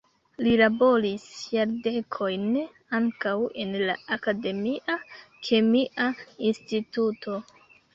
Li laboris jardekojn ankaŭ en la akademia kemia instituto.